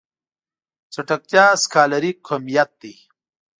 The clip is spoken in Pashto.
چټکتيا سکالري کميت دی.